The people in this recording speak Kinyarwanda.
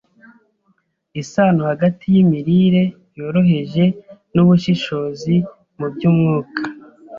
Isano hagati y’imirire yoroheje n’ubushishozi mu by’umwuka